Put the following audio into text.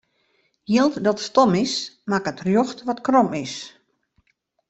Jild dat stom is, makket rjocht wat krom is.